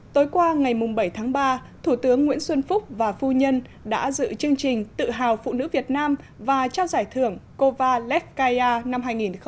tối qua ngày bảy tháng ba thủ tướng nguyễn xuân phúc và phu nhân đã dự chương trình tự hào phụ nữ việt nam và trao giải thưởng cova lek kaia năm hai nghìn một mươi sáu